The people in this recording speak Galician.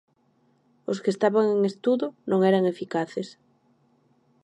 Os que estaban en estudo non eran eficaces.